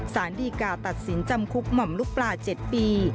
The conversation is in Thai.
สารดีกาตัดสินจำคุกหม่อมลูกปลา๗ปี